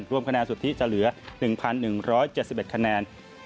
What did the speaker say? รวมคะแนนสุทธิจะเหลือ๑๑๗๑คะแนน